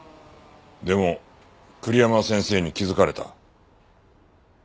でも栗山先生に気づかれた。